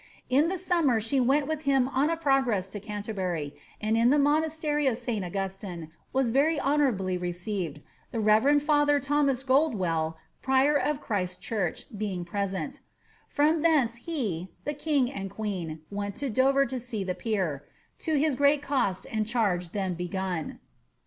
In the rammer she went with him on a progress to Canterbury, and in the monastery of St Augustine was very honourably received, the reverend ^er Thomas Gold well, prior of Christ Church, being present* From thence he (the king and queen) went to Dover to see the pier, ^ to his great cost and charge then begun."